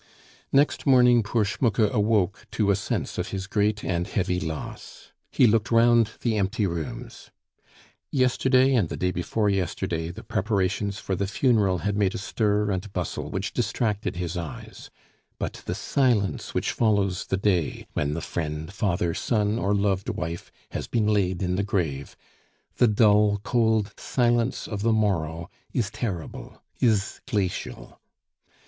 Next morning poor Schmucke awoke to a sense of his great and heavy loss. He looked round the empty rooms. Yesterday and the day before yesterday the preparations for the funeral had made a stir and bustle which distracted his eyes; but the silence which follows the day, when the friend, father, son, or loved wife has been laid in the grave the dull, cold silence of the morrow is terrible, is glacial.